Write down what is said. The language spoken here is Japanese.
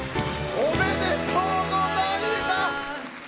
おめでとうございます！